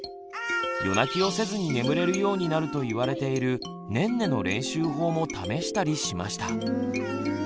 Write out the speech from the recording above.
夜泣きをせずに眠れるようになると言われているねんねの練習法も試したりしました。